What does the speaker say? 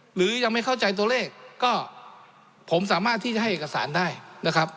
หรือยังไม่เข้าใจตัวเลขก็ผมสามารถที่จะให้เอกสารได้นะครับ